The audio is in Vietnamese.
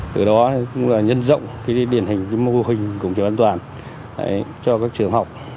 từ đó cũng nhân rộng điển hình mô hình cổng trường an toàn cho các trường học